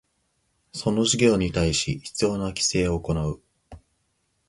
その事業に対し必要な規制を行う